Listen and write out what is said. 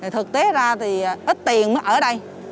thực tế ra thì ít tiền mới ở đây